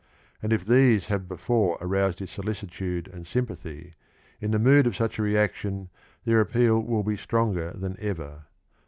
And if these have before aroused his solicitude and sympathy, in the mood of such a reaction their appeal will be stronger than ever.